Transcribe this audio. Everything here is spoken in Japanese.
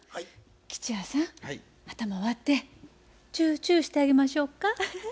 吉弥さん頭割ってチューチューしてあげましょうか？